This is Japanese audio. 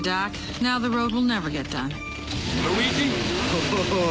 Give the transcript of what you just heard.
ハハハハ！